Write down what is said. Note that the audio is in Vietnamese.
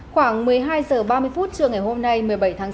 khoảng một mươi hai h ba mươi phút trưa ngày hôm nay một mươi bảy tháng sáu